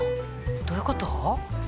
どういうこと？